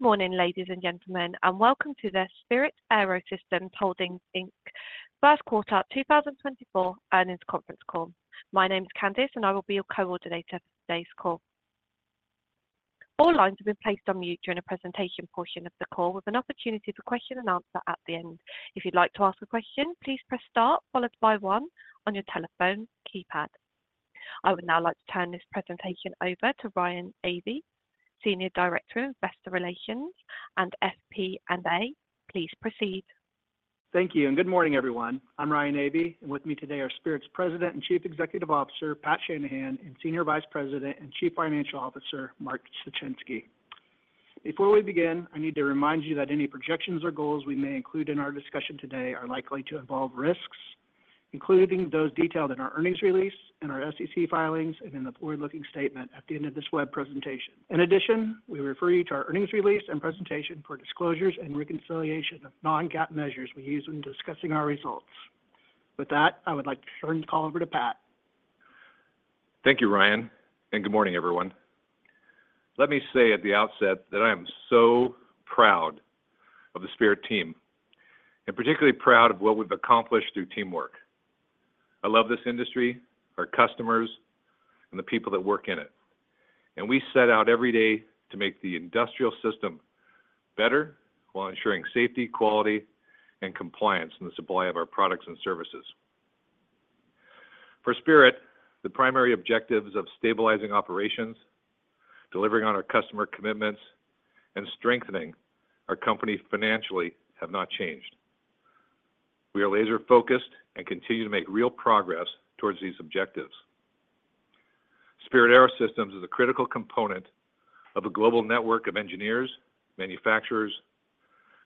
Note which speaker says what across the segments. Speaker 1: Good morning, ladies and gentlemen, and welcome to the Spirit AeroSystems Holdings, Inc. Q1 2024 Earnings Conference Call. My name is Candace, and I will be your coordinator for today's call. All lines have been placed on mute during the presentation portion of the call, with an opportunity for question and answer at the end. If you'd like to ask a question, please press star followed by 1 on your telephone keypad. I would now like to turn this presentation over to Ryan Avey, Senior Director of Investor Relations and FP&A. Please proceed.
Speaker 2: Thank you, and good morning, everyone. I'm Ryan Avey, and with me today are Spirit's President and Chief Executive Officer Pat Shanahan and Senior Vice President and Chief Financial Officer Mark Suchinski. Before we begin, I need to remind you that any projections or goals we may include in our discussion today are likely to involve risks, including those detailed in our earnings release and our SEC filings and in the forward-looking statement at the end of this web presentation. In addition, we refer you to our earnings release and presentation for disclosures and reconciliation of non-GAAP measures we use when discussing our results. With that, I would like to turn the call over to Pat.
Speaker 3: Thank you, Ryan, and good morning, everyone. Let me say at the outset that I am so proud of the Spirit team, and particularly proud of what we've accomplished through teamwork. I love this industry, our customers, and the people that work in it. We set out every day to make the industrial system better while ensuring safety, quality, and compliance in the supply of our products and services. For Spirit, the primary objectives of stabilizing operations, delivering on our customer commitments, and strengthening our company financially have not changed. We are laser-focused and continue to make real progress towards these objectives. Spirit AeroSystems is a critical component of a global network of engineers, manufacturers,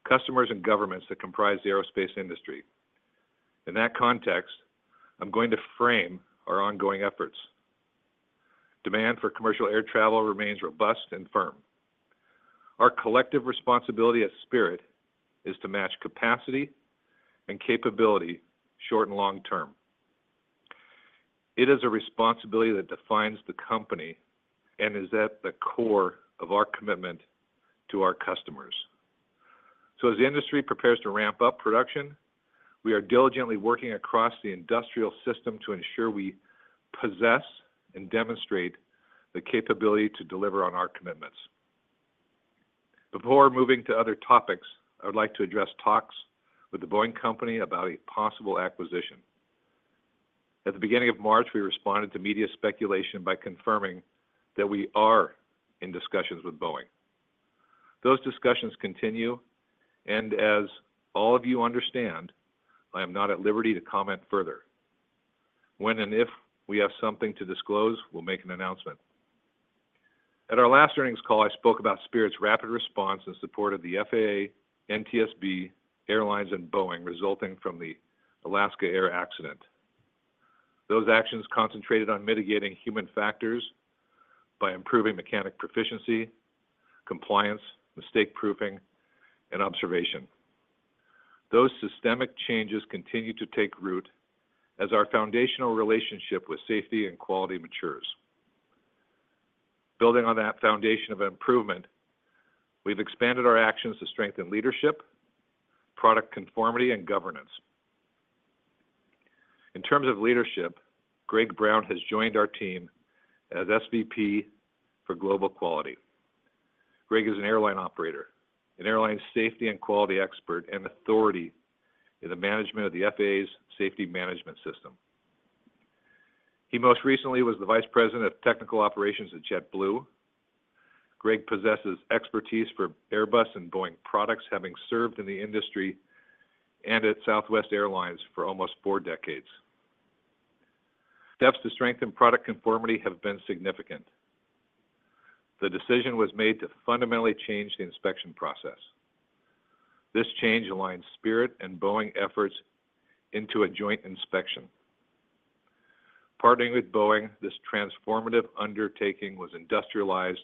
Speaker 3: customers, and governments that comprise the aerospace industry. In that context, I'm going to frame our ongoing efforts. Demand for commercial air travel remains robust and firm. Our collective responsibility as Spirit is to match capacity and capability short and long term. It is a responsibility that defines the company and is at the core of our commitment to our customers. So as the industry prepares to ramp up production, we are diligently working across the industrial system to ensure we possess and demonstrate the capability to deliver on our commitments. Before moving to other topics, I would like to address talks with the Boeing Company about a possible acquisition. At the beginning of March, we responded to media speculation by confirming that we are in discussions with Boeing. Those discussions continue, and as all of you understand, I am not at liberty to comment further. When and if we have something to disclose, we'll make an announcement. At our last Earnings Call, I spoke about Spirit's rapid response in support of the FAA, NTSB, airlines, and Boeing resulting from the Alaska Air accident. Those actions concentrated on mitigating human factors by improving mechanic proficiency, compliance, mistake proofing, and observation. Those systemic changes continue to take root as our foundational relationship with safety and quality matures. Building on that foundation of improvement, we've expanded our actions to strengthen leadership, product conformity, and governance. In terms of leadership, Greg Brown has joined our team as SVP for global quality. Greg is an airline operator, an airline safety and quality expert, and authority in the management of the FAA's safety management system. He most recently was the Vice President of Technical Operations at JetBlue. Greg possesses expertise for Airbus and Boeing products, having served in the industry and at Southwest Airlines for almost four decades. Steps to strengthen product conformity have been significant. The decision was made to fundamentally change the inspection process. This change aligns Spirit and Boeing efforts into a joint inspection. Partnering with Boeing, this transformative undertaking was industrialized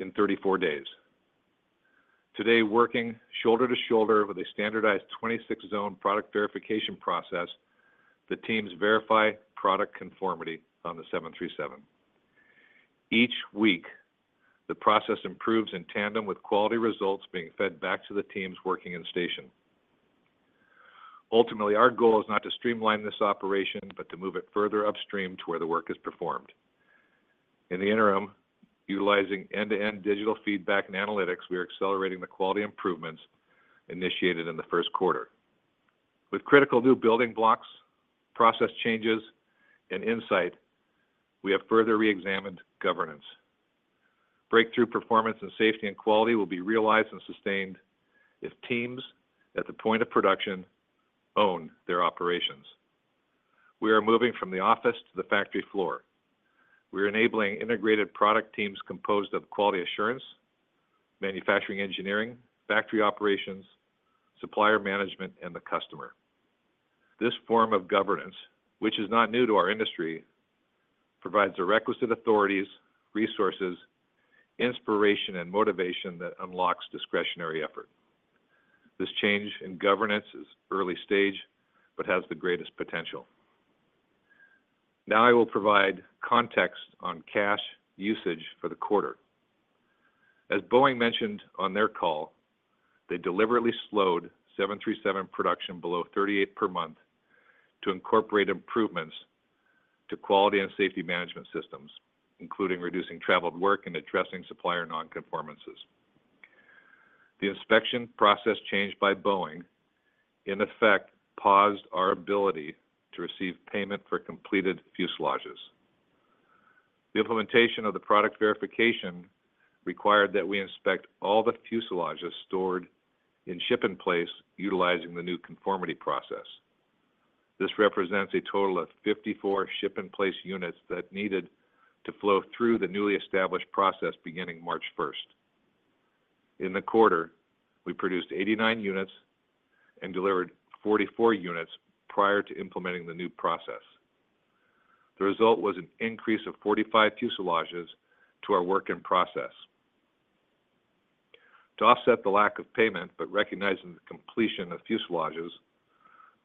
Speaker 3: in 34 days. Today, working shoulder to shoulder with a standardized 26-zone product verification process, the teams verify product conformity on the 737. Each week, the process improves in tandem with quality results being fed back to the teams working in station. Ultimately, our goal is not to streamline this operation, but to move it further upstream to where the work is performed. In the interim, utilizing end-to-end digital feedback and analytics, we are accelerating the quality improvements initiated in the Q1. With critical new building blocks, process changes, and insight, we have further reexamined governance. Breakthrough performance in safety and quality will be realized and sustained if teams at the point of production own their operations. We are moving from the office to the factory floor. We are enabling integrated product teams composed of quality assurance, manufacturing engineering, factory operations, supplier management, and the customer. This form of governance, which is not new to our industry, provides the requisite authorities, resources, inspiration, and motivation that unlocks discretionary effort. This change in governance is early stage but has the greatest potential. Now I will provide context on cash usage for the quarter. As Boeing mentioned on their call, they deliberately slowed 737 production below 38 per month to incorporate improvements to quality and safety management systems, including reducing traveled work and addressing supplier nonconformances. The inspection process changed by Boeing, in effect, paused our ability to receive payment for completed fuselages. The implementation of the product verification required that we inspect all the fuselages stored in ship-in-place utilizing the new conformity process. This represents a total of 54 ship-in-place units that needed to flow through the newly established process beginning 1 March. In the quarter, we produced 89 units and delivered 44 units prior to implementing the new process. The result was an increase of 45 fuselages to our work-in-process. To offset the lack of payment but recognizing the completion of fuselages,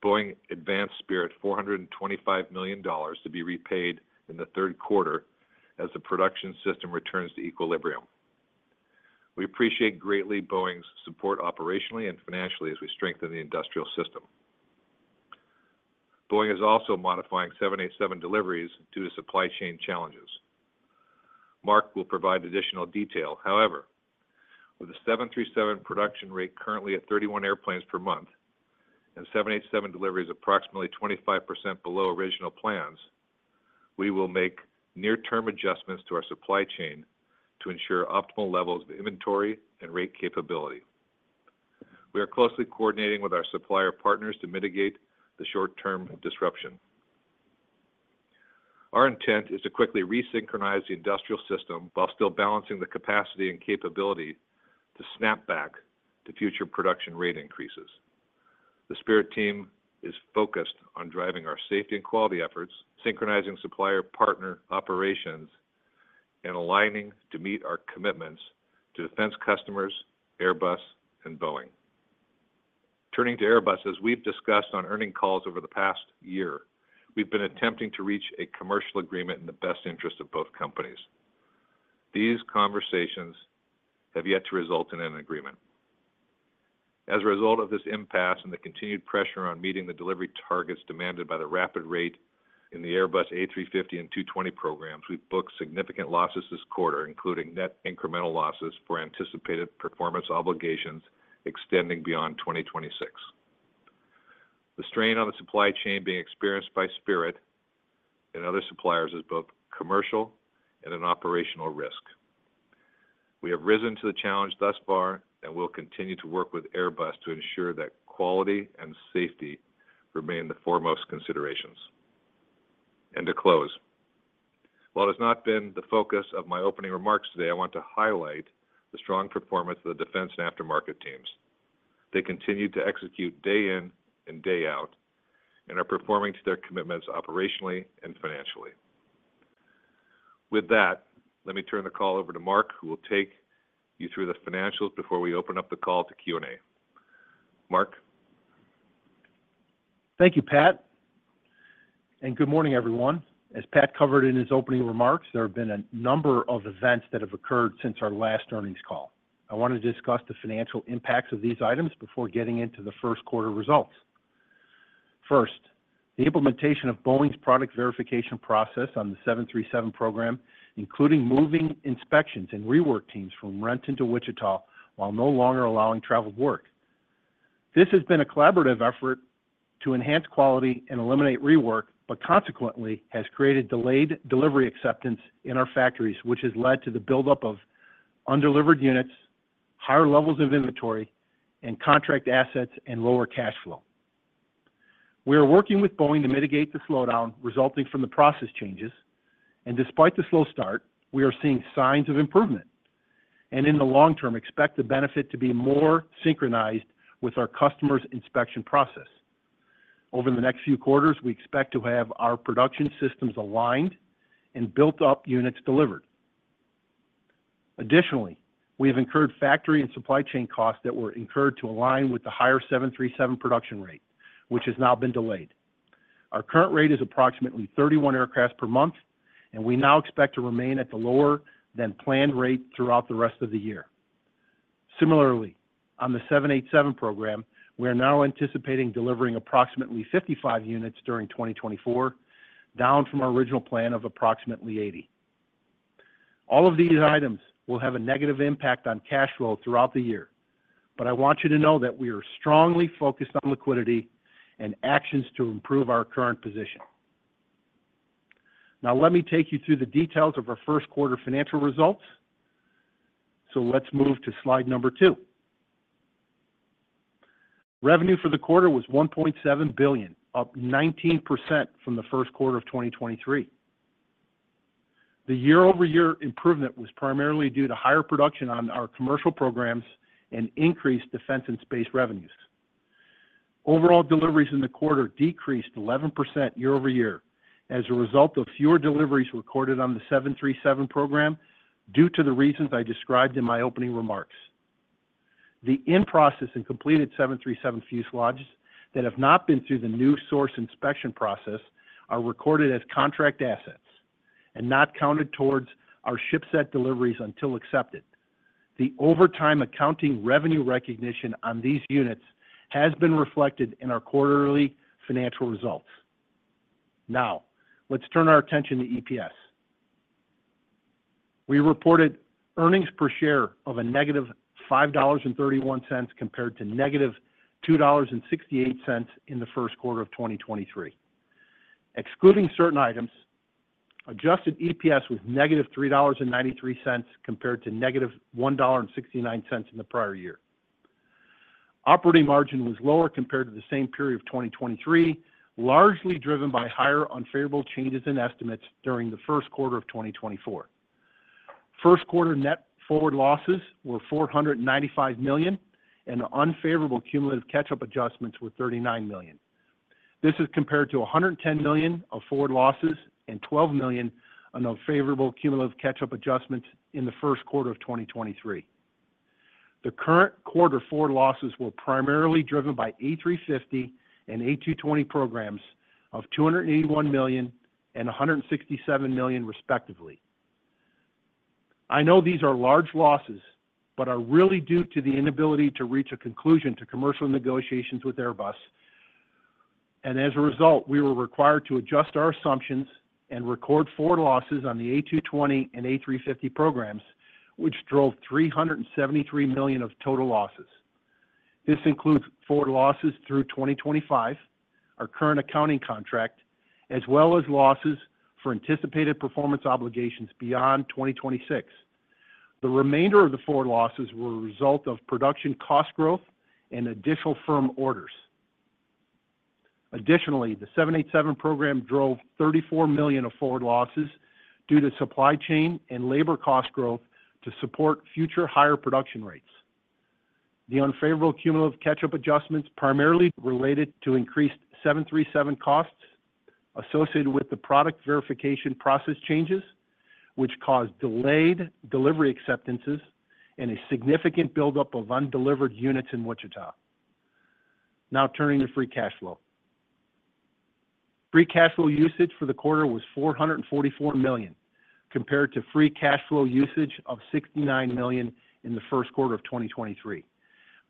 Speaker 3: Boeing advanced Spirit $425 million to be repaid in the Q3 as the production system returns to equilibrium. We appreciate greatly Boeing's support operationally and financially as we strengthen the industrial system. Boeing is also modifying 787 deliveries due to supply chain challenges. Mark will provide additional detail. However, with the 737 production rate currently at 31 airplanes per month and 787 deliveries approximately 25% below original plans, we will make near-term adjustments to our supply chain to ensure optimal levels of inventory and rate capability. We are closely coordinating with our supplier partners to mitigate the short-term disruption. Our intent is to quickly resynchronize the industrial system while still balancing the capacity and capability to snap back to future production rate increases. The Spirit team is focused on driving our safety and quality efforts, synchronizing supplier partner operations, and aligning to meet our commitments to defense customers, Airbus, and Boeing. Turning to Airbus, as we've discussed on earnings calls over the past year, we've been attempting to reach a commercial agreement in the best interest of both companies. These conversations have yet to result in an agreement. As a result of this impasse and the continued pressure on meeting the delivery targets demanded by the rapid rate in the Airbus A350 and A220 programs, we've booked significant losses this quarter, including net incremental losses for anticipated performance obligations extending beyond 2026. The strain on the supply chain being experienced by Spirit and other suppliers is both commercial and an operational risk. We have risen to the challenge thus far and will continue to work with Airbus to ensure that quality and safety remain the foremost considerations. To close, while it has not been the focus of my opening remarks today, I want to highlight the strong performance of the defense and aftermarket teams. They continue to execute day in and day out and are performing to their commitments operationally and financially. With that, let me turn the call over to Mark, who will take you through the financials before we open up the call to Q&A. Mark.
Speaker 4: Thank you, Pat. And good morning, everyone. As Pat covered in his opening remarks, there have been a number of events that have occurred since our last earnings call. I want to discuss the financial impacts of these items before getting into the Q1 results. First, the implementation of Boeing's product verification process on the 737 program, including moving inspections and rework teams from Renton to Wichita while no longer allowing traveled work. This has been a collaborative effort to enhance quality and eliminate rework, but consequently has created delayed delivery acceptance in our factories, which has led to the buildup of undelivered units, higher levels of inventory, and contract assets and lower cash flow. We are working with Boeing to mitigate the slowdown resulting from the process changes. And despite the slow start, we are seeing signs of improvement. In the long term, expect the benefit to be more synchronized with our customers' inspection process. Over the next few quarters, we expect to have our production systems aligned and built-up units delivered. Additionally, we have incurred factory and supply chain costs that were incurred to align with the higher 737 production rate, which has now been delayed. Our current rate is approximately 31 aircraft per month, and we now expect to remain at the lower than planned rate throughout the rest of the year. Similarly, on the 787 program, we are now anticipating delivering approximately 55 units during 2024, down from our original plan of approximately 80. All of these items will have a negative impact on cash flow throughout the year, but I want you to know that we are strongly focused on liquidity and actions to improve our current position. Now let me take you through the details of our Q1 financial results. So let's move to slide number two. Revenue for the quarter was $1.7 billion, up 19% from the Q1 of 2023. The year-over-year improvement was primarily due to higher production on our commercial programs and increased defense and space revenues. Overall deliveries in the quarter decreased 11% year-over-year as a result of fewer deliveries recorded on the 737 program due to the reasons I described in my opening remarks. The in-process and completed 737 fuselages that have not been through the new source inspection process are recorded as contract assets and not counted towards our shipset deliveries until accepted. The overtime accounting revenue recognition on these units has been reflected in our quarterly financial results. Now let's turn our attention to EPS. We reported earnings per share of a -$5.31 compared to -$2.68 in the Q1 of 2023. Excluding certain items, adjusted EPS was -$3.93 compared to -$1.69 in the prior year. Operating margin was lower compared to the same period of 2023, largely driven by higher unfavorable changes in estimates during the Q1 of 2024. Q1 net forward losses were $495 million, and the unfavorable cumulative catch-up adjustments were $39 million. This is compared to $110 million of forward losses and $12 million of unfavorable cumulative catch-up adjustments in the Q1 of 2023. The current quarter forward losses were primarily driven by A350 and A220 programs of $281 million and $167 million, respectively. I know these are large losses, but are really due to the inability to reach a conclusion to commercial negotiations with Airbus. As a result, we were required to adjust our assumptions and record forward losses on the A220 and A350 programs, which drove $373 million of total losses. This includes forward losses through 2025, our current accounting contract, as well as losses for anticipated performance obligations beyond 2026. The remainder of the forward losses were a result of production cost growth and additional firm orders. Additionally, the 787 program drove $34 million of forward losses due to supply chain and labor cost growth to support future higher production rates. The unfavorable cumulative catch-up adjustments primarily related to increased 737 costs associated with the product verification process changes, which caused delayed delivery acceptances and a significant buildup of undelivered units in Wichita. Now turning to free cash flow. Free cash flow usage for the quarter was $444 million compared to free cash flow usage of $69 million in the Q1 of 2023,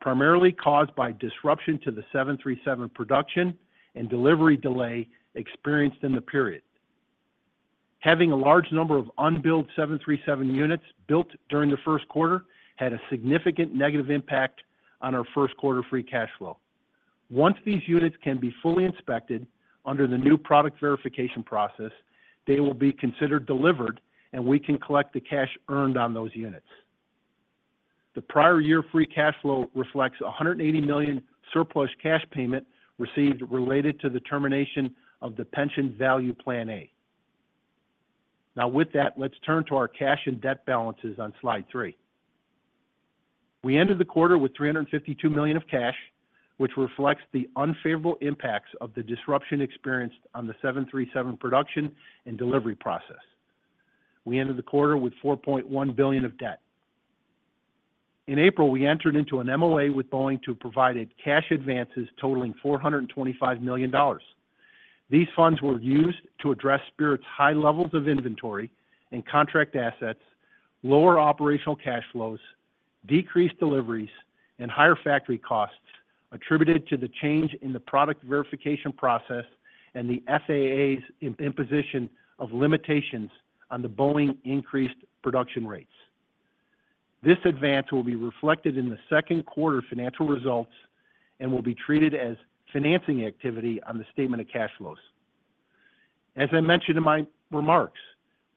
Speaker 4: primarily caused by disruption to the 737 production and delivery delay experienced in the period. Having a large number of unbuilt 737 units built during the Q1 had a significant negative impact on our Q1 free cash flow. Once these units can be fully inspected under the new product verification process, they will be considered delivered, and we can collect the cash earned on those units. The prior year free cash flow reflects $180 million surplus cash payment received related to the termination of the Pension Value Plan A. Now with that, let's turn to our cash and debt balances on slide three. We ended the quarter with $352 million of cash, which reflects the unfavorable impacts of the disruption experienced on the 737 production and delivery process. We ended the quarter with $4.1 billion of debt. In April, we entered into an MOA with Boeing to provide cash advances totaling $425 million. These funds were used to address Spirit's high levels of inventory and contract assets, lower operational cash flows, decreased deliveries, and higher factory costs attributed to the change in the product verification process and the FAA's imposition of limitations on the Boeing increased production rates. This advance will be reflected in the Q2 financial results and will be treated as financing activity on the statement of cash flows. As I mentioned in my remarks,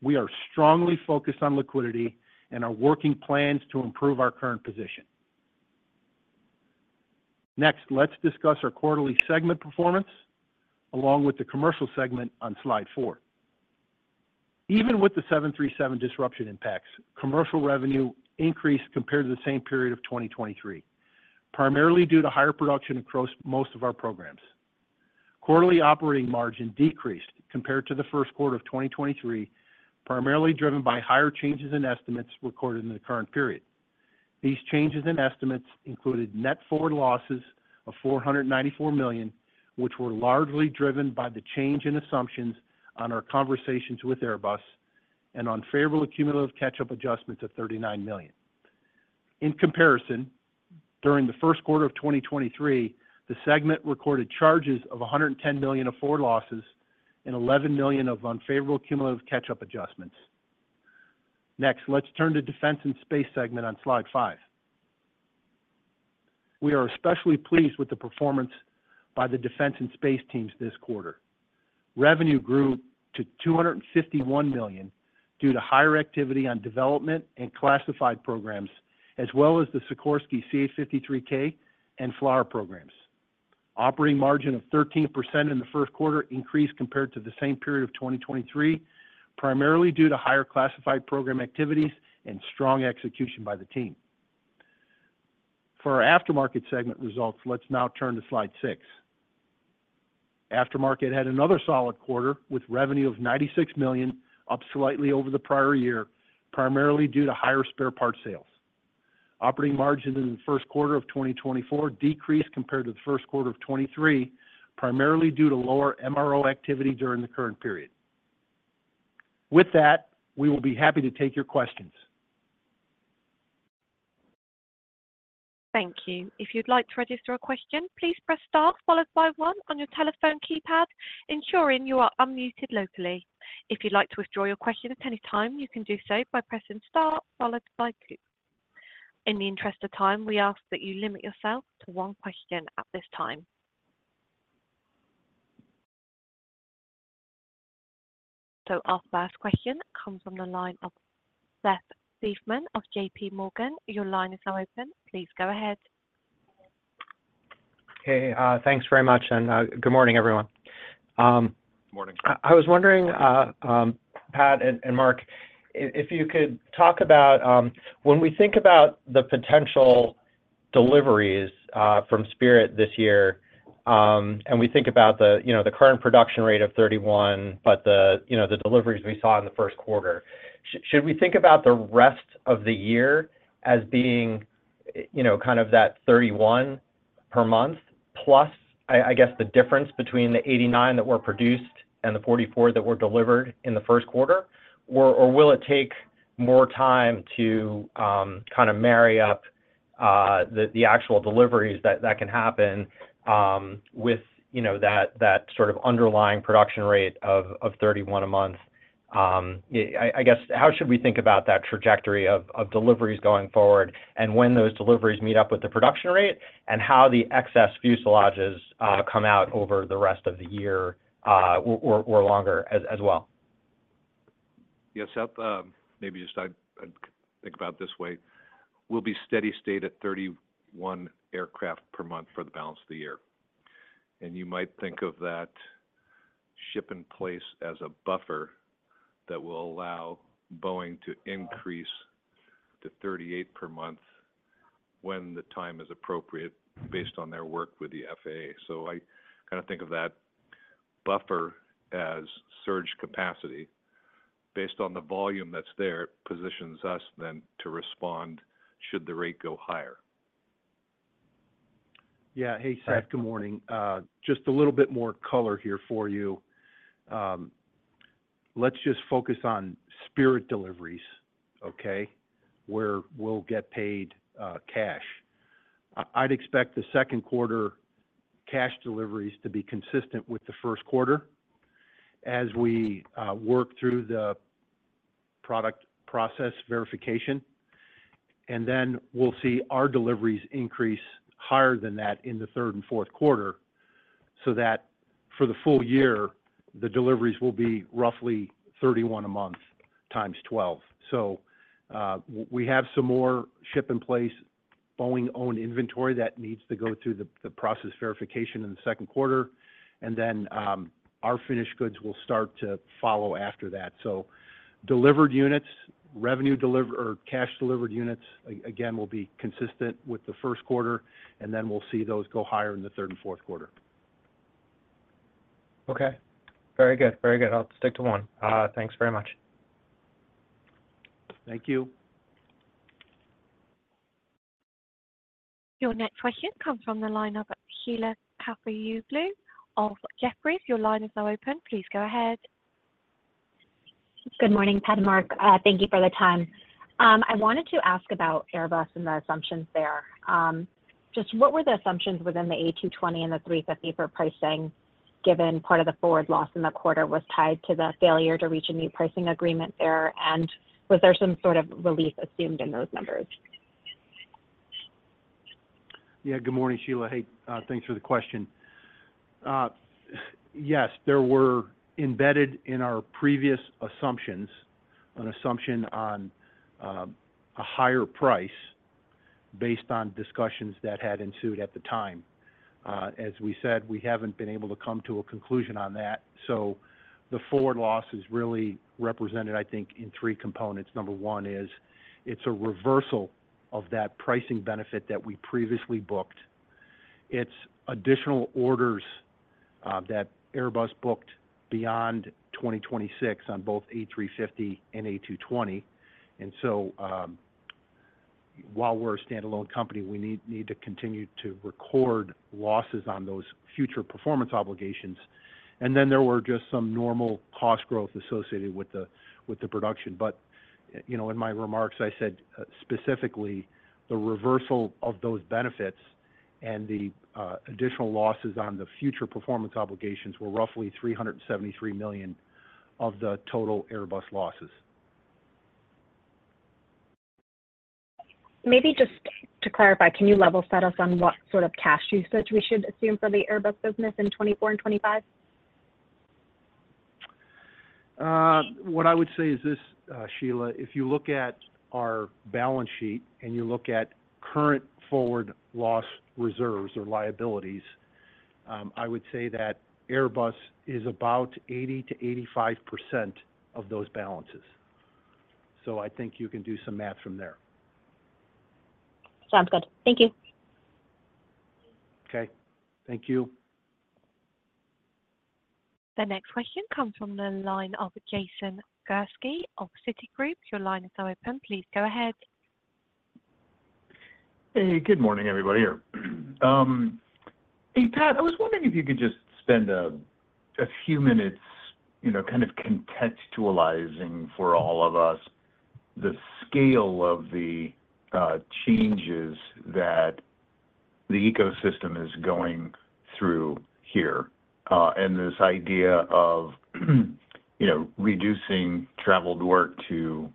Speaker 4: we are strongly focused on liquidity and are working plans to improve our current position. Next, let's discuss our quarterly segment performance along with the commercial segment on slide four. Even with the 737 disruption impacts, commercial revenue increased compared to the same period of 2023, primarily due to higher production across most of our programs. Quarterly operating margin decreased compared to the Q1 of 2023, primarily driven by higher changes in estimates recorded in the current period. These changes in estimates included net forward losses of $494 million, which were largely driven by the change in assumptions on our conversations with Airbus and unfavorable cumulative catch-up adjustments of $39 million. In comparison, during the Q1 of 2023, the segment recorded charges of $110 million of forward losses and $11 million of unfavorable cumulative catch-up adjustments. Next, let's turn to defense and space segment on slide five. We are especially pleased with the performance by the defense and space teams this quarter. Revenue grew to $251 million due to higher activity on development and classified programs, as well as the Sikorsky CH-53K and FLRAA programs. Operating margin of 13% in the Q4 increased compared to the same period of 2023, primarily due to higher classified program activities and strong execution by the team. For our aftermarket segment results, let's now turn to slide six. Aftermarket had another solid quarter with revenue of $96 million, up slightly over the prior year, primarily due to higher spare part sales. Operating margin in the Q1 of 2024 decreased compared to the Q1 of 2023, primarily due to lower MRO activity during the current period. With that, we will be happy to take your questions.
Speaker 1: Thank you. If you'd like to register a question, please press star followed by one on your telephone keypad, ensuring you are unmuted locally. If you'd like to withdraw your question at any time, you can do so by pressing star followed by two. In the interest of time, we ask that you limit yourself to one question at this time. So our first question comes from the line of Seth Seifman of JPMorgan. Your line is now open. Please go ahead.
Speaker 5: Hey, thanks very much. Good morning, everyone.
Speaker 3: Good morning.
Speaker 5: I was wondering, Pat and Mark, if you could talk about when we think about the potential deliveries from Spirit this year and we think about the current production rate of 31 but the deliveries we saw in the Q1, should we think about the rest of the year as being kind of that 31 per month plus I guess the difference between the 89 that were produced and the 44 that were delivered in the Q1, or will it take more time to kind of marry up the actual deliveries that can happen with that sort of underlying production rate of 31 a month? I guess, how should we think about that trajectory of deliveries going forward and when those deliveries meet up with the production rate and how the excess fuselages come out over the rest of the year or longer as well?
Speaker 3: Yeah, Seth, maybe just—I'd think about it this way. We'll be steady state at 31 aircraft per month for the balance of the year. You might think of that ship-in-place as a buffer that will allow Boeing to increase to 38 per month when the time is appropriate based on their work with the FAA. So I kind of think of that buffer as surge capacity. Based on the volume that's there, it positions us then to respond should the rate go higher.
Speaker 4: Yeah. Hey, Seth, good morning. Just a little bit more color here for you. Let's just focus on Spirit deliveries, okay, where we'll get paid cash. I'd expect the Q2 cash deliveries to be consistent with the Q1 as we work through the product process verification. And then we'll see our deliveries increase higher than that in the Q3 and Q4 so that for the full year, the deliveries will be roughly 31 a month times 12. So we have some more ship-in-place Boeing-owned inventory that needs to go through the process verification in the Q2. And then our finished goods will start to follow after that. So delivered units, cash delivered units, again, will be consistent with the Q1. And then we'll see those go higher in the Q3 and Q4.
Speaker 5: Okay. Very good. Very good. I'll stick to one. Thanks very much.
Speaker 4: Thank you.
Speaker 1: Your next question comes from the line of Sheila Kahyaoglu of Jefferies. Your line is now open. Please go ahead.
Speaker 6: Good morning, Pat and Mark. Thank you for the time. I wanted to ask about Airbus and the assumptions there. Just what were the assumptions within the A220 and the A350 for pricing, given part of the forward loss in the quarter was tied to the failure to reach a new pricing agreement there? And was there some sort of relief assumed in those numbers?
Speaker 4: Yeah. Good morning, Sheila. Hey, thanks for the question. Yes, there were embedded in our previous assumptions an assumption on a higher price based on discussions that had ensued at the time. As we said, we haven't been able to come to a conclusion on that. So the forward loss is really represented, I think, in three components. Number 1 is it's a reversal of that pricing benefit that we previously booked. It's additional orders that Airbus booked beyond 2026 on both A350 and A220. And so while we're a standalone company, we need to continue to record losses on those future performance obligations. And then there were just some normal cost growth associated with the production. But in my remarks, I said specifically the reversal of those benefits and the additional losses on the future performance obligations were roughly $373 million of the total Airbus losses.
Speaker 6: Maybe just to clarify, can you level set us on what sort of cash usage we should assume for the Airbus business in 2024 and 2025?
Speaker 4: What I would say is this, Sheila. If you look at our balance sheet and you look at current forward loss reserves or liabilities, I would say that Airbus is about 80%-85% of those balances. So I think you can do some math from there.
Speaker 6: Sounds good. Thank you.
Speaker 4: Okay. Thank you.
Speaker 1: The next question comes from the line of Jason Gursky of Citigroup. Your line is now open. Please go ahead.
Speaker 7: Hey, good morning, everybody here. Hey, Pat, I was wondering if you could just spend a few minutes kind of contextualizing for all of us the scale of the changes that the ecosystem is going through here and this idea of reducing traveled work to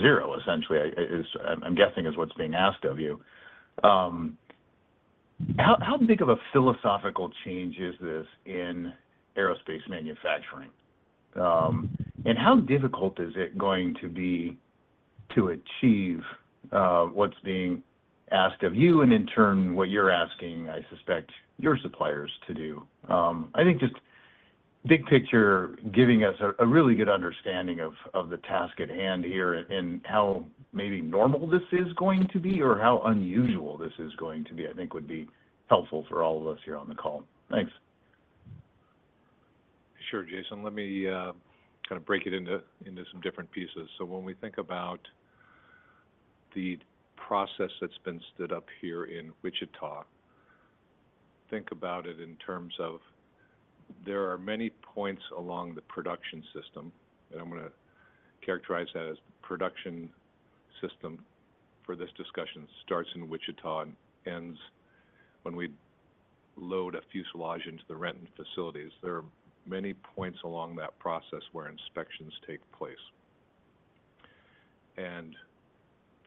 Speaker 7: zero, essentially, I'm guessing, is what's being asked of you. How big of a philosophical change is this in aerospace manufacturing? And how difficult is it going to be to achieve what's being asked of you and, in turn, what you're asking, I suspect, your suppliers to do? I think just big picture, giving us a really good understanding of the task at hand here and how maybe normal this is going to be or how unusual this is going to be, I think, would be helpful for all of us here on the call. Thanks.
Speaker 3: Sure, Jason. Let me kind of break it into some different pieces. So when we think about the process that's been stood up here in Wichita, think about it in terms of there are many points along the production system. And I'm going to characterize that as the production system for this discussion starts in Wichita and ends when we load a fuselage into the Renton facilities. There are many points along that process where inspections take place. And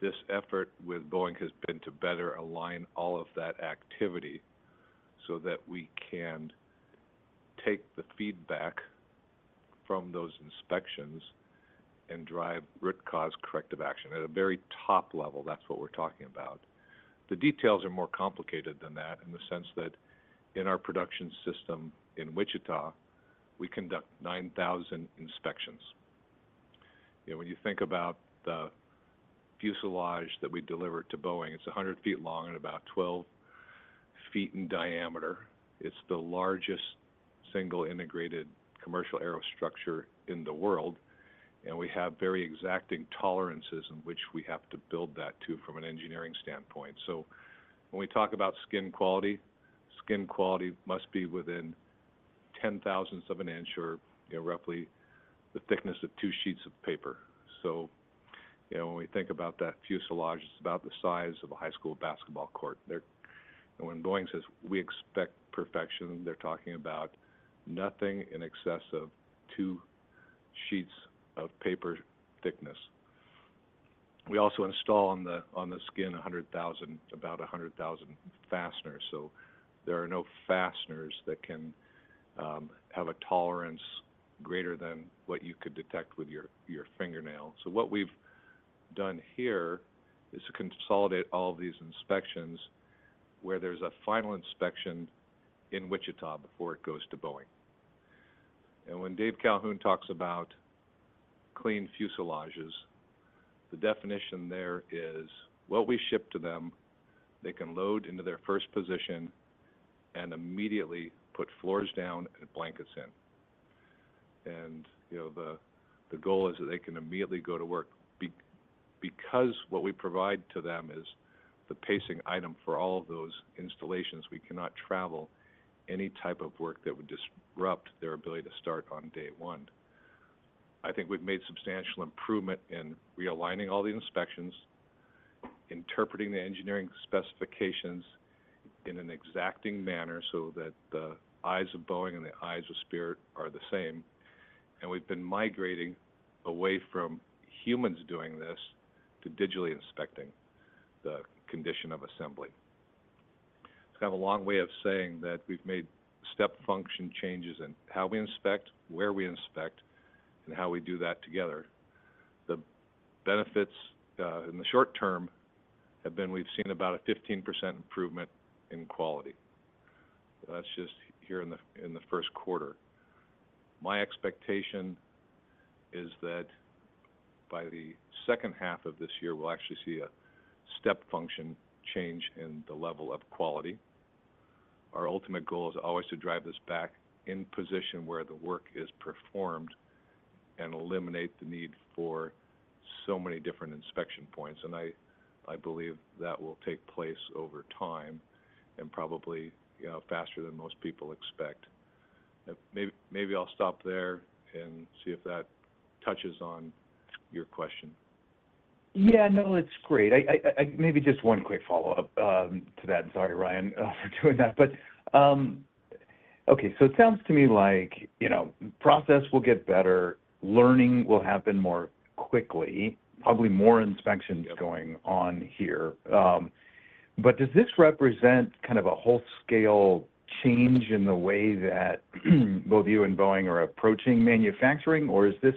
Speaker 3: this effort with Boeing has been to better align all of that activity so that we can take the feedback from those inspections and drive root cause corrective action. At a very top level, that's what we're talking about. The details are more complicated than that in the sense that in our production system in Wichita, we conduct 9,000 inspections. When you think about the fuselage that we deliver to Boeing, it's 100 feet long and about 12 feet in diameter. It's the largest single integrated commercial aero structure in the world. We have very exacting tolerances in which we have to build that too from an engineering standpoint. When we talk about skin quality, skin quality must be within 0.001 of an inch or roughly the thickness of two sheets of paper. When we think about that fuselage, it's about the size of a high school basketball court. When Boeing says, "We expect perfection," they're talking about nothing in excess of two sheets of paper thickness. We also install on the skin about 100,000 fasteners. There are no fasteners that can have a tolerance greater than what you could detect with your fingernail. So what we've done here is to consolidate all of these inspections where there's a final inspection in Wichita before it goes to Boeing. When Dave Calhoun talks about clean fuselages, the definition there is what we ship to them, they can load into their first position and immediately put floors down and blankets in. The goal is that they can immediately go to work because what we provide to them is the pacing item for all of those installations. We cannot travel any type of work that would disrupt their ability to start on day one. I think we've made substantial improvement in realigning all the inspections, interpreting the engineering specifications in an exacting manner so that the eyes of Boeing and the eyes of Spirit are the same. We've been migrating away from humans doing this to digitally inspecting the condition of assembly. It's kind of a long way of saying that we've made step function changes in how we inspect, where we inspect, and how we do that together. The benefits in the short term have been we've seen about a 15% improvement in quality. That's just here in the Q1. My expectation is that by the H2 of this year, we'll actually see a step function change in the level of quality. Our ultimate goal is always to drive this back in position where the work is performed and eliminate the need for so many different inspection points. And I believe that will take place over time and probably faster than most people expect. Maybe I'll stop there and see if that touches on your question.
Speaker 7: Yeah. No, it's great. Maybe just one quick follow-up to that. Sorry, Ryan, for doing that. But okay, so it sounds to me like process will get better. Learning will happen more quickly, probably more inspections going on here. But does this represent kind of a whole-scale change in the way that both you and Boeing are approaching manufacturing, or is this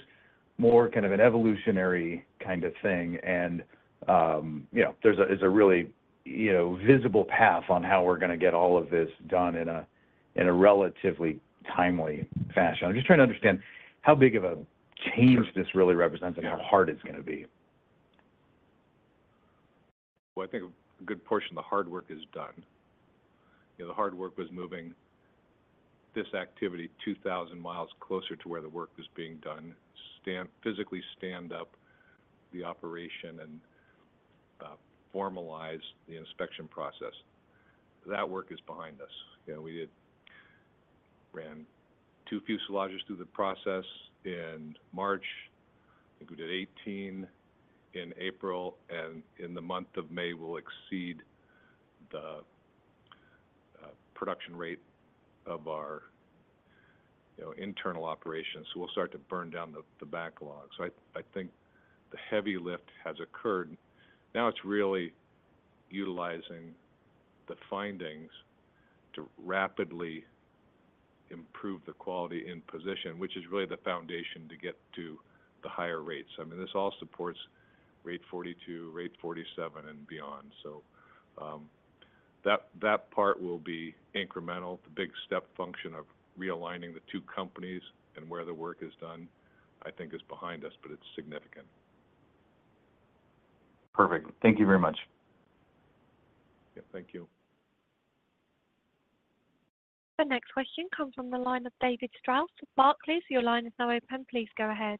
Speaker 7: more kind of an evolutionary kind of thing? And there's a really visible path on how we're going to get all of this done in a relatively timely fashion. I'm just trying to understand how big of a change this really represents and how hard it's going to be.
Speaker 3: Well, I think a good portion of the hard work is done. The hard work was moving this activity 2,000 miles closer to where the work was being done, physically stand up the operation, and formalize the inspection process. That work is behind us. We ran 2 fuselages through the process in March. I think we did 18 in April. And in the month of May, we'll exceed the production rate of our internal operations. So we'll start to burn down the backlog. So I think the heavy lift has occurred. Now it's really utilizing the findings to rapidly improve the quality in position, which is really the foundation to get to the higher rates. I mean, this all supports rate 42, rate 47, and beyond. So that part will be incremental. The big step function of realigning the two companies and where the work is done, I think, is behind us, but it's significant.
Speaker 7: Perfect. Thank you very much.
Speaker 3: Yeah. Thank you.
Speaker 1: The next question comes from the line of David Strauss, Barclays. Your line is now open. Please go ahead.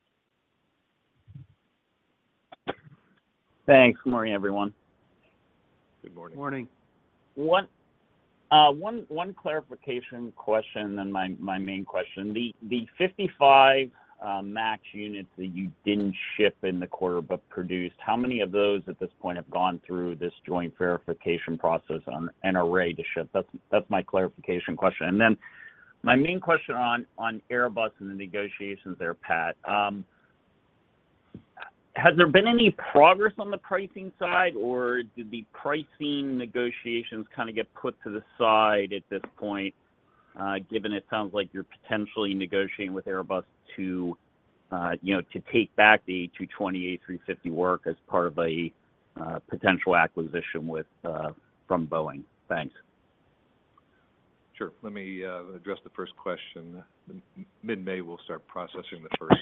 Speaker 8: Thanks. Good morning, everyone.
Speaker 3: Good morning.
Speaker 4: Good morning.
Speaker 8: One clarification question and my main question. The 55 MAX units that you didn't ship in the quarter but produced, how many of those at this point have gone through this joint verification process and are ready to ship? That's my clarification question. And then my main question on Airbus and the negotiations there, Pat, has there been any progress on the pricing side, or did the pricing negotiations kind of get put to the side at this point, given it sounds like you're potentially negotiating with Airbus to take back the A220, A350 work as part of a potential acquisition from Boeing? Thanks.
Speaker 3: Sure. Let me address the first question. Mid-May, we'll start processing the first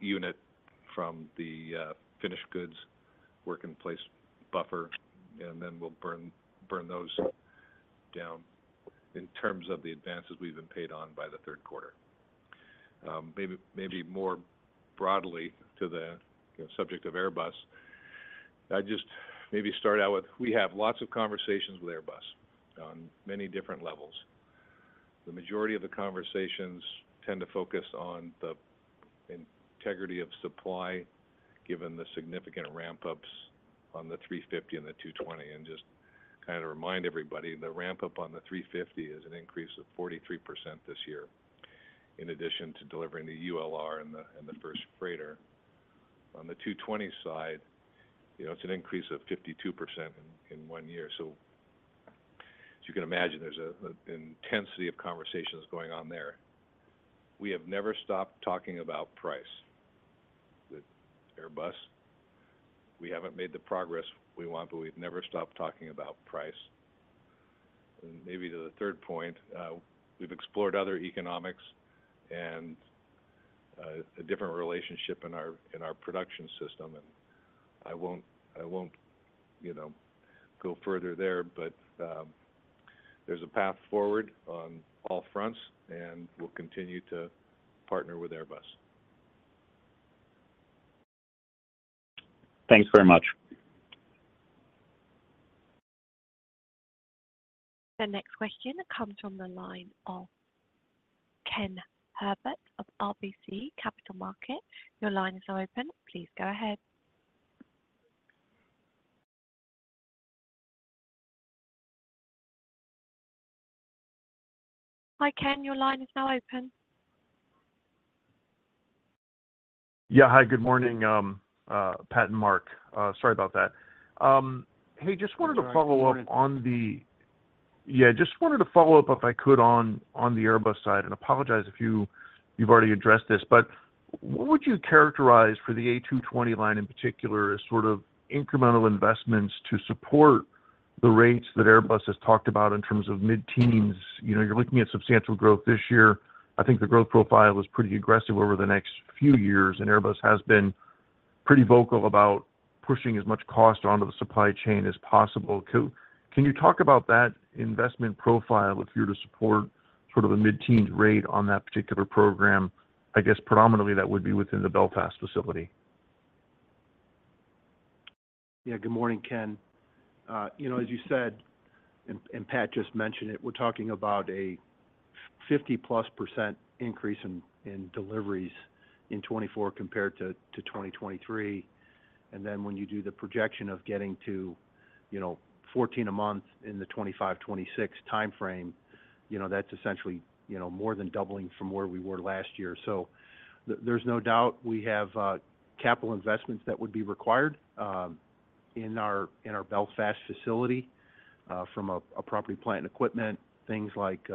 Speaker 3: unit from the finished goods ship-in-place buffer, and then we'll burn those down in terms of the advances we've been paid on by the Q3. Maybe more broadly to the subject of Airbus, I'd just maybe start out with we have lots of conversations with Airbus on many different levels. The majority of the conversations tend to focus on the integrity of supply, given the significant ramp-ups on the 350 and the 220, and just kind of remind everybody, the ramp-up on the 350 is an increase of 43% this year in addition to delivering the ULR and the first freighter. On the 220 side, it's an increase of 52% in one year. So as you can imagine, there's an intensity of conversations going on there. We have never stopped talking about price with Airbus. We haven't made the progress we want, but we've never stopped talking about price. Maybe to the third point, we've explored other economics and a different relationship in our production system. I won't go further there, but there's a path forward on all fronts, and we'll continue to partner with Airbus.
Speaker 8: Thanks very much.
Speaker 1: The next question comes from the line of Ken Herbert of RBC Capital Markets. Your line is now open. Please go ahead. Hi, Ken. Your line is now open.
Speaker 9: Yeah. Hi. Good morning, Pat and Mark. Sorry about that. Hey, just wanted to follow up if I could on the Airbus side. Apologize if you've already addressed this, but what would you characterize for the A220 line in particular as sort of incremental investments to support the rates that Airbus has talked about in terms of mid-teens? You're looking at substantial growth this year. I think the growth profile is pretty aggressive over the next few years, and Airbus has been pretty vocal about pushing as much cost onto the supply chain as possible. Can you talk about that investment profile if you're to support sort of a mid-teens rate on that particular program? I guess predominantly, that would be within the Belfast facility.
Speaker 4: Yeah. Good morning, Ken. As you said, and Pat just mentioned it, we're talking about a 50%+ increase in deliveries in 2024 compared to 2023. And then when you do the projection of getting to 14 a month in the 2025-2026 timeframe, that's essentially more than doubling from where we were last year. So there's no doubt we have capital investments that would be required in our Belfast facility from a property plant and equipment, things like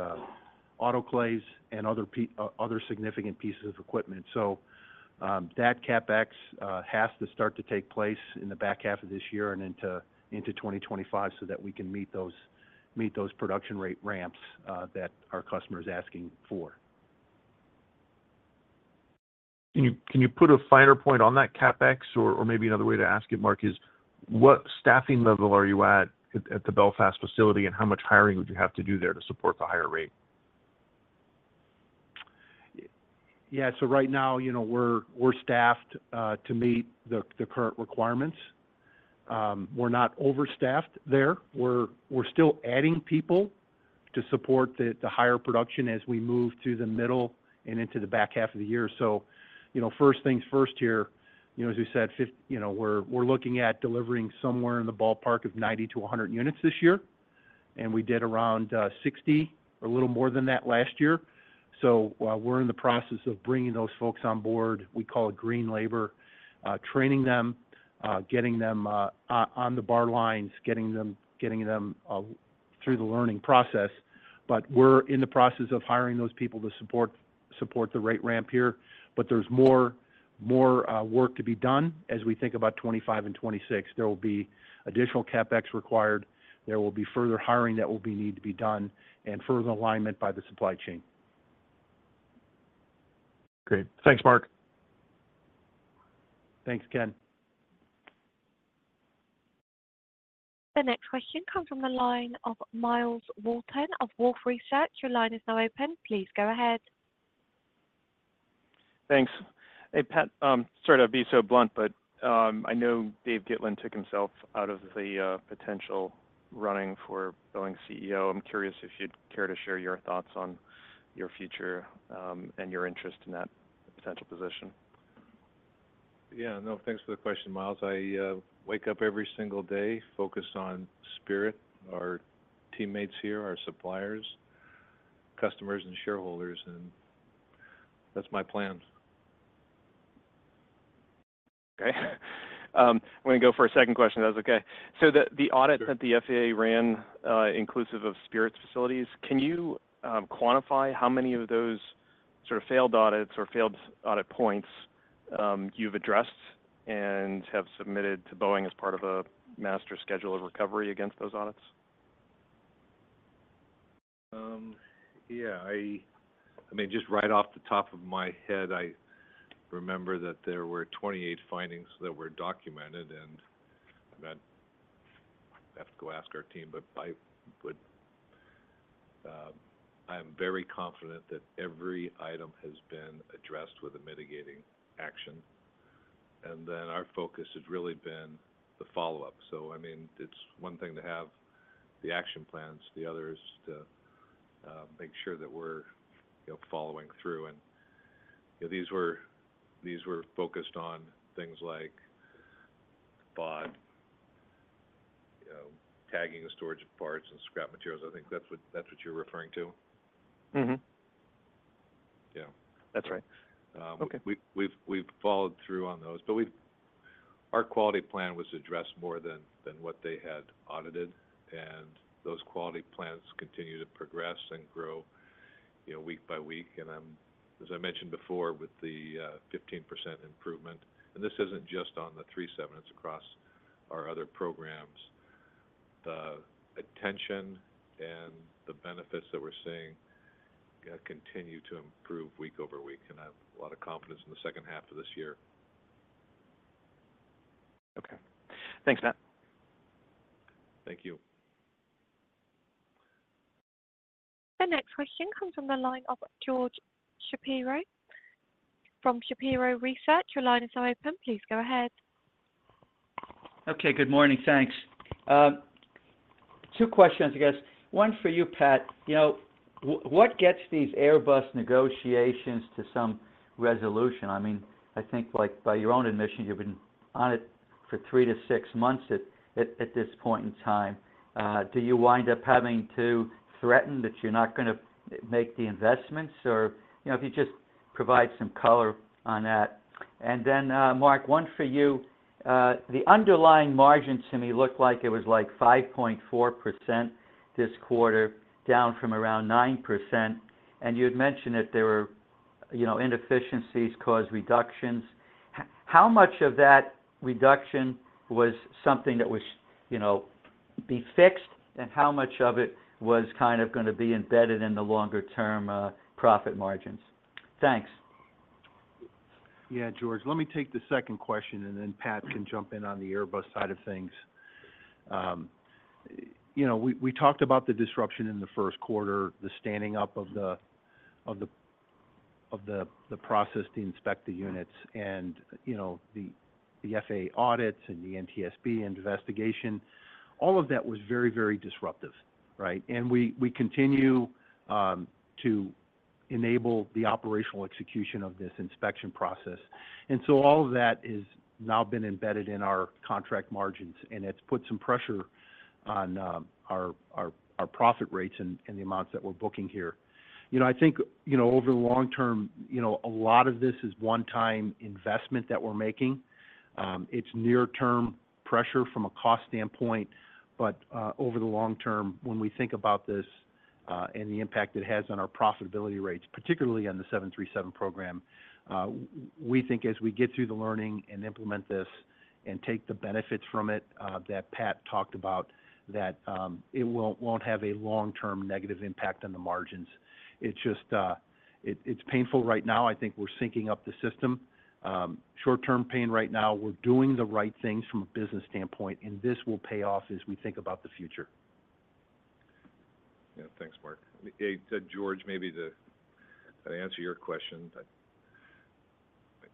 Speaker 4: autoclaves and other significant pieces of equipment. So that CapEx has to start to take place in the back half of this year and into 2025 so that we can meet those production rate ramps that our customer is asking for.
Speaker 9: Can you put a finer point on that CapEx? Or maybe another way to ask it, Mark, is what staffing level are you at at the Belfast facility, and how much hiring would you have to do there to support the higher rate?
Speaker 4: Yeah. So right now, we're staffed to meet the current requirements. We're not overstaffed there. We're still adding people to support the higher production as we move to the middle and into the back half of the year. So first things first here, as we said, we're looking at delivering somewhere in the ballpark of 90-100 units this year. And we did around 60 or a little more than that last year. So we're in the process of bringing those folks on board. We call it green labor, training them, getting them on the bar lines, getting them through the learning process. But we're in the process of hiring those people to support the rate ramp here. But there's more work to be done as we think about 2025 and 2026. There will be additional CapEx required. There will be further hiring that will need to be done and further alignment by the supply chain.
Speaker 9: Great. Thanks, Mark.
Speaker 4: Thanks, Ken.
Speaker 1: The next question comes from the line of Miles Walton of Wolfe Research. Your line is now open. Please go ahead.
Speaker 10: Thanks. Hey, Pat, sorry to be so blunt, but I know Dave Gitlin took himself out of the potential running for Boeing CEO. I'm curious if you'd care to share your thoughts on your future and your interest in that potential position.
Speaker 3: Yeah. No, thanks for the question, Miles. I wake up every single day focused on Spirit, our teammates here, our suppliers, customers, and shareholders. And that's my plan.
Speaker 10: Okay. I'm going to go for a second question if that's okay. So the audit that the FAA ran inclusive of Spirit's facilities, can you quantify how many of those sort of failed audits or failed audit points you've addressed and have submitted to Boeing as part of a master schedule of recovery against those audits?
Speaker 3: Yeah. I mean, just right off the top of my head, I remember that there were 28 findings that were documented. And I mean, I have to go ask our team, but I am very confident that every item has been addressed with a mitigating action. And then our focus has really been the follow-up. So I mean, it's one thing to have the action plans. The other is to make sure that we're following through. And these were focused on things like tagging and storage of parts and scrap materials. I think that's what you're referring to?
Speaker 10: Mm-hmm.
Speaker 3: Yeah.
Speaker 10: That's right.
Speaker 3: Okay. We've followed through on those. But our quality plan was addressed more than what they had audited. And those quality plans continue to progress and grow week by week. And as I mentioned before with the 15% improvement and this isn't just on the 737. It's across our other programs. The attention and the benefits that we're seeing continue to improve week over week. And I have a lot of confidence in the H2 of this year.
Speaker 10: Okay. Thanks, Matt.
Speaker 3: Thank you.
Speaker 1: The next question comes from the line of George Shapiro from Shapiro Research. Your line is now open. Please go ahead.
Speaker 11: Okay. Good morning. Thanks. Two questions, I guess. One for you, Pat. What gets these Airbus negotiations to some resolution? I mean, I think by your own admission, you've been on it for 3-6 months at this point in time. Do you wind up having to threaten that you're not going to make the investments or if you just provide some color on that? And then, Mark, one for you. The underlying margin to me looked like it was like 5.4% this quarter, down from around 9%. And you had mentioned that there were inefficiencies caused reductions. How much of that reduction was something that would be fixed, and how much of it was kind of going to be embedded in the longer-term profit margins? Thanks.
Speaker 4: Yeah, George. Let me take the second question, and then Pat can jump in on the Airbus side of things. We talked about the disruption in the Q1, the standing up of the process to inspect the units, and the FAA audits and the NTSB investigation. All of that was very, very disruptive, right? And we continue to enable the operational execution of this inspection process. And so all of that has now been embedded in our contract margins, and it's put some pressure on our profit rates and the amounts that we're booking here. I think over the long term, a lot of this is one-time investment that we're making. It's near-term pressure from a cost standpoint. But over the long term, when we think about this and the impact it has on our profitability rates, particularly on the 737 program, we think as we get through the learning and implement this and take the benefits from it that Pat talked about, that it won't have a long-term negative impact on the margins. It's painful right now. I think we're syncing up the system. Short-term pain right now. We're doing the right things from a business standpoint, and this will pay off as we think about the future.
Speaker 3: Yeah. Thanks, Mark. Hey, to George, maybe to answer your question,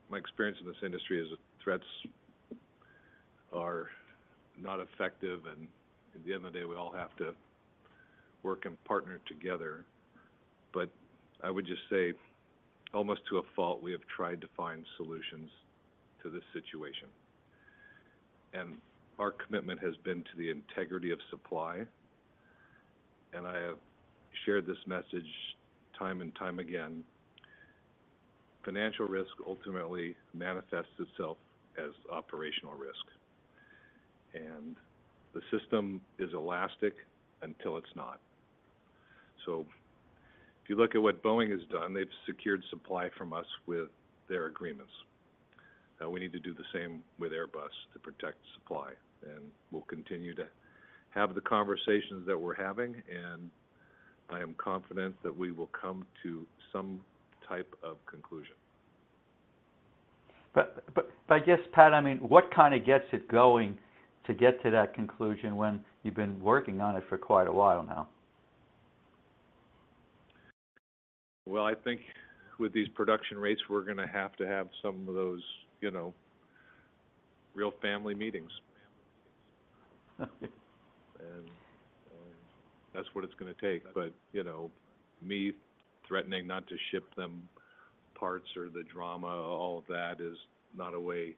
Speaker 3: my experience in this industry is that threats are not effective. At the end of the day, we all have to work and partner together. But I would just say almost to a fault, we have tried to find solutions to this situation. Our commitment has been to the integrity of supply. I have shared this message time and time again. Financial risk ultimately manifests itself as operational risk. The system is elastic until it's not. If you look at what Boeing has done, they've secured supply from us with their agreements. Now, we need to do the same with Airbus to protect supply. We'll continue to have the conversations that we're having, and I am confident that we will come to some type of conclusion.
Speaker 11: But I guess, Pat, I mean, what kind of gets it going to get to that conclusion when you've been working on it for quite a while now?
Speaker 3: Well, I think with these production rates, we're going to have to have some of those real family meetings. And that's what it's going to take. But me threatening not to ship them parts or the drama, all of that is not a way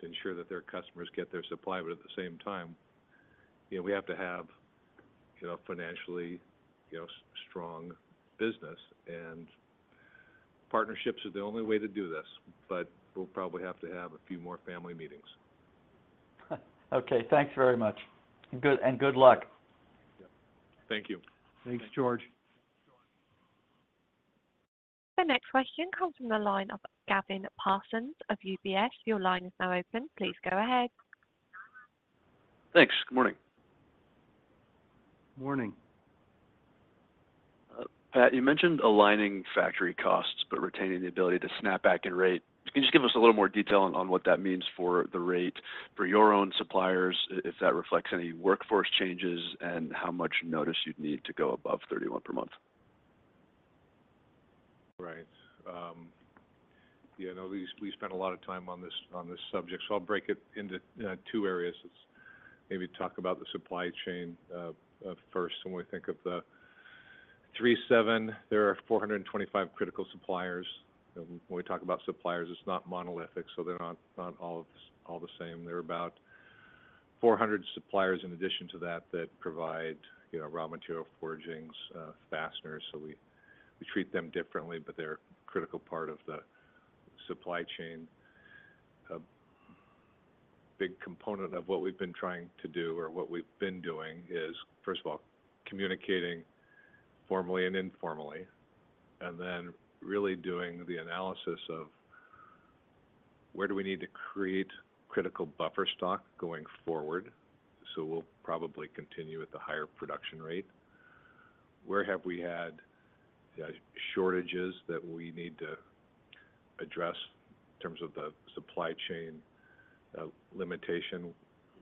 Speaker 3: to ensure that their customers get their supply. But at the same time, we have to have a financially strong business. And partnerships are the only way to do this. But we'll probably have to have a few more family meetings.
Speaker 11: Okay. Thanks very much. Good luck.
Speaker 3: Yep. Thank you.
Speaker 4: Thanks, George.
Speaker 1: The next question comes from the line of Gavin Parsons of UBS. Your line is now open. Please go ahead.
Speaker 12: Thanks. Good morning.
Speaker 3: Morning.
Speaker 12: Pat, you mentioned aligning factory costs but retaining the ability to snap back in rate. Can you just give us a little more detail on what that means for the rate for your own suppliers, if that reflects any workforce changes, and how much notice you'd need to go above 31 per month?
Speaker 3: Right. Yeah. I know we spent a lot of time on this subject. So I'll break it into two areas. Let's maybe talk about the supply chain first. When we think of the 737, there are 425 critical suppliers. When we talk about suppliers, it's not monolithic. So they're not all the same. There are about 400 suppliers in addition to that that provide raw material forgings, fasteners. So we treat them differently, but they're a critical part of the supply chain. A big component of what we've been trying to do or what we've been doing is, first of all, communicating formally and informally and then really doing the analysis of where do we need to create critical buffer stock going forward? So we'll probably continue with the higher production rate. Where have we had shortages that we need to address in terms of the supply chain limitation?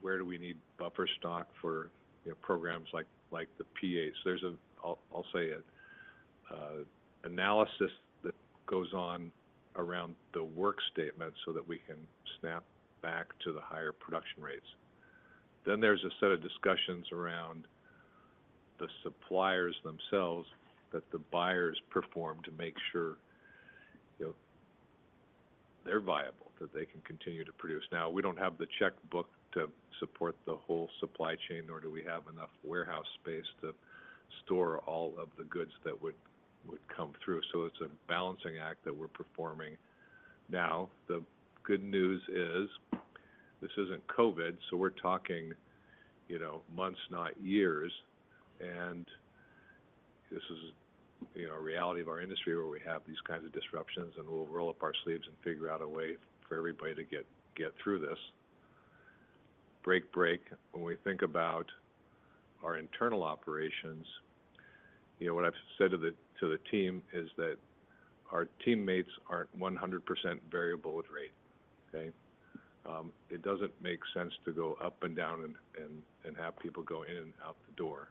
Speaker 3: Where do we need buffer stock for programs like the P-8? So there's a, I'll say, analysis that goes on around the work statement so that we can snap back to the higher production rates. Then there's a set of discussions around the suppliers themselves that the buyers perform to make sure they're viable, that they can continue to produce. Now, we don't have the checkbook to support the whole supply chain, nor do we have enough warehouse space to store all of the goods that would come through. So it's a balancing act that we're performing now. The good news is this isn't COVID. So we're talking months, not years. And this is a reality of our industry where we have these kinds of disruptions. And we'll roll up our sleeves and figure out a way for everybody to get through this. Break, break. When we think about our internal operations, what I've said to the team is that our teammates aren't 100% variable at rate, okay? It doesn't make sense to go up and down and have people go in and out the door.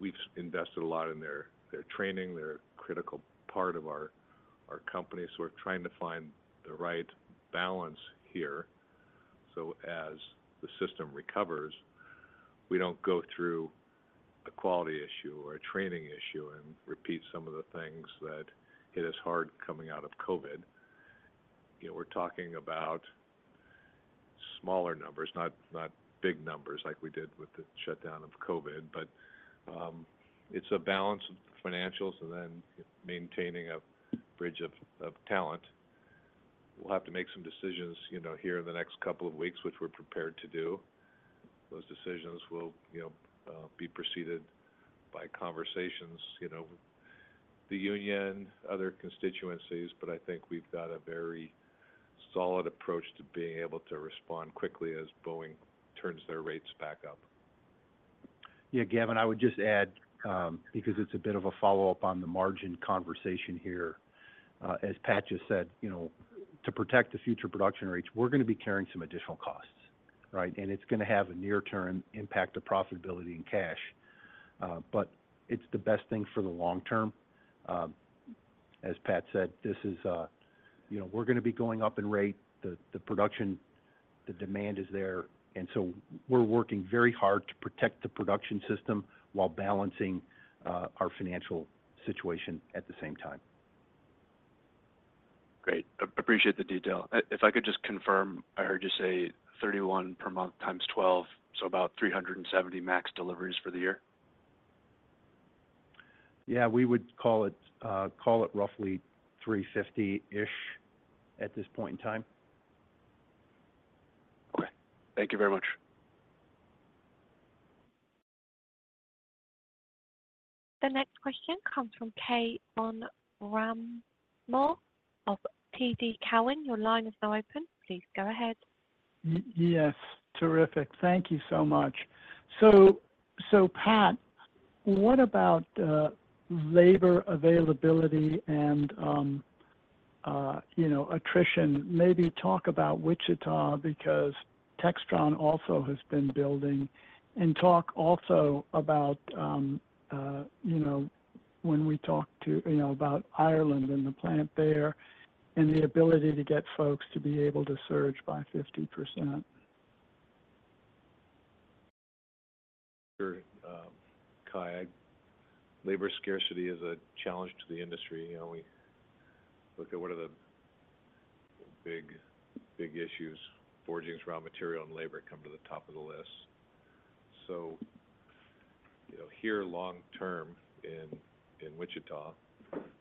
Speaker 3: We've invested a lot in their training. They're a critical part of our company. We're trying to find the right balance here. As the system recovers, we don't go through a quality issue or a training issue and repeat some of the things that hit us hard coming out of COVID. We're talking about smaller numbers, not big numbers like we did with the shutdown of COVID. But it's a balance of financials and then maintaining a bridge of talent. We'll have to make some decisions here in the next couple of weeks, which we're prepared to do. Those decisions will be preceded by conversations with the union, other constituencies. But I think we've got a very solid approach to being able to respond quickly as Boeing turns their rates back up.
Speaker 4: Yeah. Gavin, I would just add because it's a bit of a follow-up on the margin conversation here. As Pat just said, to protect the future production rates, we're going to be carrying some additional costs, right? And it's going to have a near-term impact to profitability and cash. But it's the best thing for the long-term. As Pat said, this is we're going to be going up in rate. The demand is there. And so we're working very hard to protect the production system while balancing our financial situation at the same time.
Speaker 12: Great. Appreciate the detail. If I could just confirm, I heard you say 31 per month times 12, so about 370 MAX deliveries for the year?
Speaker 4: Yeah. We would call it roughly 350-ish at this point in time.
Speaker 12: Okay. Thank you very much.
Speaker 1: The next question comes from Cai von Rumohr of TD Cowen. Your line is now open. Please go ahead.
Speaker 13: Yes. Terrific. Thank you so much. So Pat, what about labor availability and attrition? Maybe talk about Wichita because Textron also has been building. And talk also about when we talk about Ireland and the plant there and the ability to get folks to be able to surge by 50%.
Speaker 3: Sure, Cai. Labor scarcity is a challenge to the industry. When we look at what are the big issues, forgings, raw material, and labor come to the top of the list. So here, long-term in Wichita,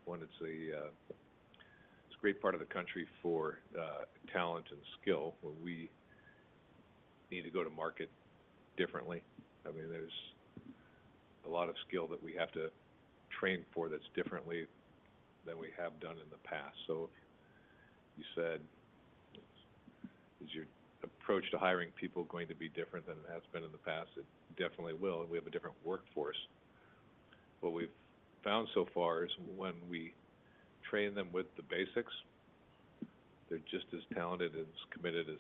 Speaker 3: one, it's a great part of the country for talent and skill. When we need to go to market differently, I mean, there's a lot of skill that we have to train for that's differently than we have done in the past. So if you said, "Is your approach to hiring people going to be different than it has been in the past?" It definitely will. And we have a different workforce. What we've found so far is when we train them with the basics, they're just as talented and as committed as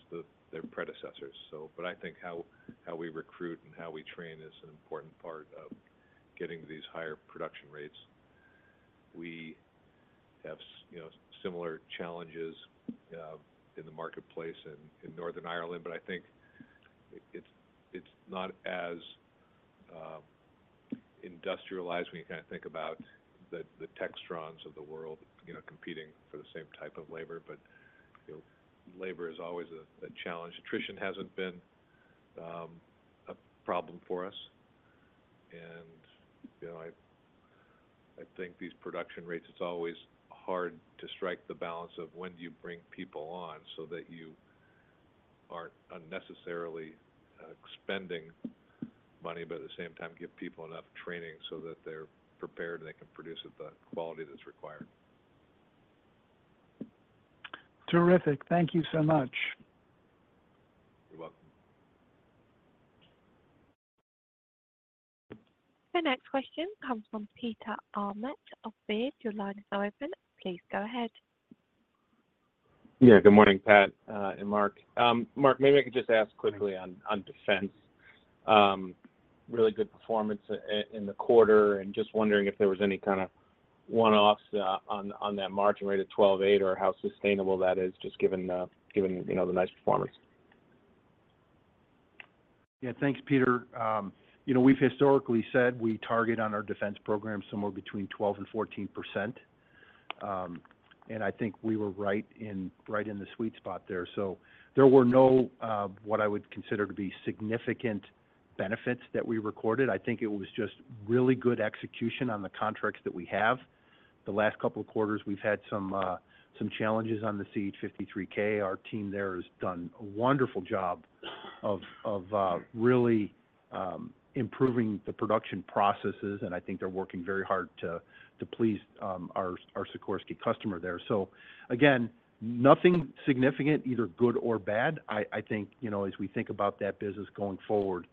Speaker 3: their predecessors, so. But I think how we recruit and how we train is an important part of getting these higher production rates. We have similar challenges in the marketplace in Northern Ireland. But I think it's not as industrialized. When you kind of think about the Textron of the world competing for the same type of labor, but labor is always a challenge. Attrition hasn't been a problem for us. And I think these production rates, it's always hard to strike the balance of when do you bring people on so that you aren't unnecessarily spending money but at the same time give people enough training so that they're prepared and they can produce at the quality that's required.
Speaker 13: Terrific. Thank you so much.
Speaker 3: You're welcome.
Speaker 1: The next question comes from Peter Arment of Baird. Your line is now open. Please go ahead.
Speaker 14: Yeah. Good morning, Pat and Mark. Mark, maybe I could just ask quickly on defense. Really good performance in the quarter. And just wondering if there was any kind of one-offs on that margin rate of 12.8% or how sustainable that is just given the nice performance.
Speaker 4: Yeah. Thanks, Peter. We've historically said we target on our defense program somewhere between 12%-14%. And I think we were right in the sweet spot there. So there were no what I would consider to be significant benefits that we recorded. I think it was just really good execution on the contracts that we have. The last couple of quarters, we've had some challenges on the CH-53K. Our team there has done a wonderful job of really improving the production processes. And I think they're working very hard to please our Sikorsky customer there. So again, nothing significant, either good or bad. I think as we think about that business going forward,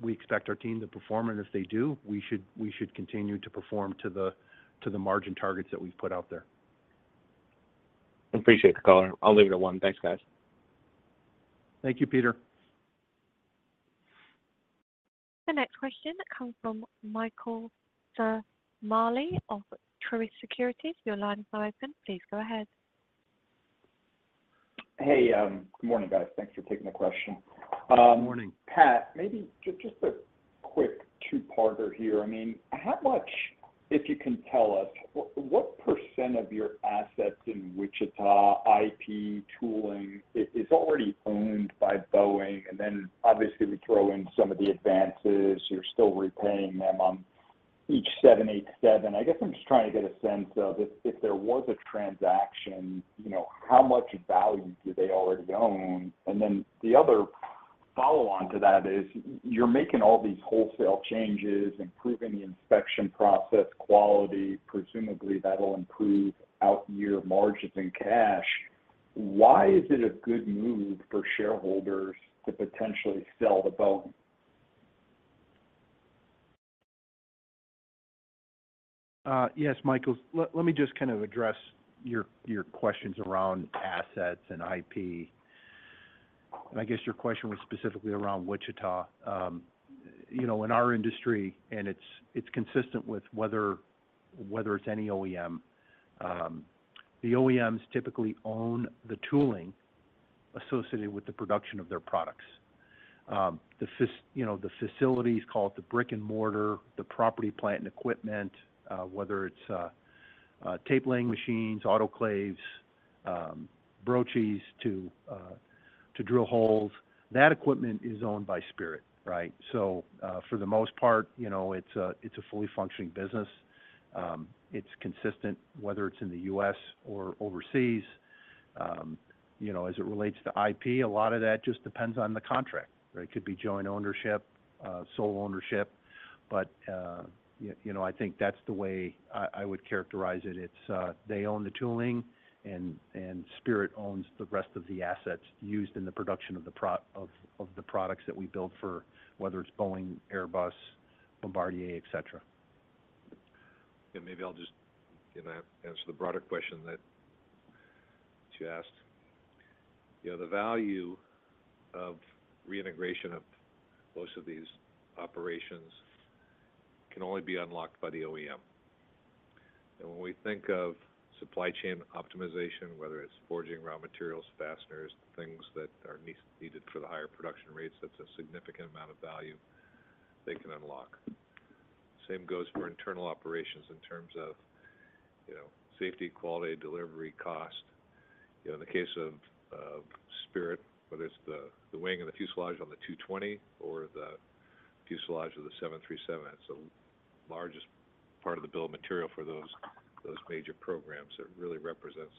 Speaker 4: we expect our team to perform. And if they do, we should continue to perform to the margin targets that we've put out there.
Speaker 14: Appreciate the caller. I'll leave it at one. Thanks, guys.
Speaker 4: Thank you, Peter.
Speaker 1: The next question comes from Michael Ciarmoli of Truist Securities. Your line is now open. Please go ahead.
Speaker 15: Hey. Good morning, guys. Thanks for taking the question.
Speaker 3: Good morning.
Speaker 15: Pat, maybe just a quick two-parter here. I mean, how much, if you can tell us, what % of your assets in Wichita, IP, tooling, is already owned by Boeing? And then obviously, we throw in some of the advances. You're still repaying them on each 787. I guess I'm just trying to get a sense of if there was a transaction, how much value do they already own? And then the other follow-on to that is you're making all these wholesale changes, improving the inspection process, quality. Presumably, that'll improve out-year margins in cash. Why is it a good move for shareholders to potentially sell to Boeing?
Speaker 4: Yes, Michael. Let me just kind of address your questions around assets and IP. And I guess your question was specifically around Wichita. In our industry, and it's consistent with whether it's any OEM, the OEMs typically own the tooling associated with the production of their products. The facilities, call it the brick and mortar, the property plant and equipment, whether it's tape laying machines, autoclaves, broaches to drill holes, that equipment is owned by Spirit, right? So for the most part, it's a fully functioning business. It's consistent, whether it's in the U.S. or overseas. As it relates to IP, a lot of that just depends on the contract, right? It could be joint ownership, sole ownership. But I think that's the way I would characterize it. They own the tooling. Spirit owns the rest of the assets used in the production of the products that we build for, whether it's Boeing, Airbus, Bombardier, etc.
Speaker 3: Yeah. Maybe I'll just answer the broader question that you asked. The value of reintegration of most of these operations can only be unlocked by the OEM. And when we think of supply chain optimization, whether it's forging, raw materials, fasteners, the things that are needed for the higher production rates, that's a significant amount of value they can unlock. Same goes for internal operations in terms of safety, quality, delivery, cost. In the case of Spirit, whether it's the wing and the fuselage on the 220 or the fuselage of the 737, it's the largest part of the bill of material for those major programs. It really represents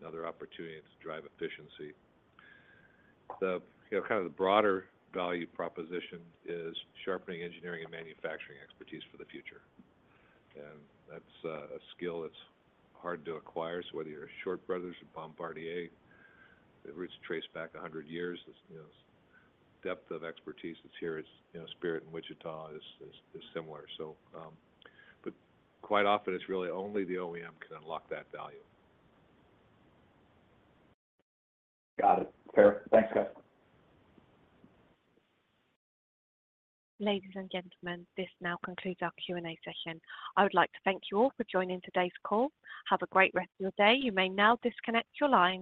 Speaker 3: another opportunity to drive efficiency. Kind of the broader value proposition is sharpening engineering and manufacturing expertise for the future. And that's a skill that's hard to acquire. So whether you're Short Brothers or Bombardier, the roots trace back 100 years. The depth of expertise that's here at Spirit in Wichita is similar. But quite often, it's really only the OEM can unlock that value.
Speaker 15: Got it. Fair. Thanks, guys.
Speaker 1: Ladies and gentlemen, this now concludes our Q&A session. I would like to thank you all for joining today's call. Have a great rest of your day. You may now disconnect your line.